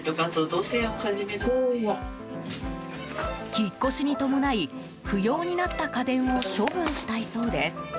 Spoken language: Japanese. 引っ越しに伴い不要になった家電を処分したいそうです。